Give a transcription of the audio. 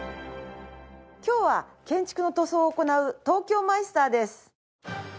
今日は建築の塗装を行う東京マイスターです。